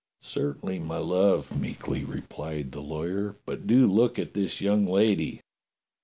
" "Certainly, my love," meekly replied the lawyer, " but do look at this young lady."